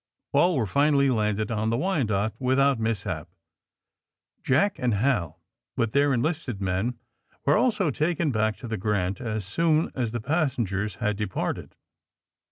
All were finally landed on the ^'Wyanoke''' without mishap. Jack and Hal, with their enlisted men, were also taken back to the *^ Grant '^ as soon as the passengers had departed.